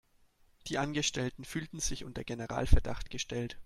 Die Angestellten fühlen sich unter Generalverdacht gestellt.